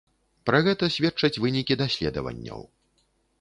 Пра гэта сведчаць вынікі даследаванняў.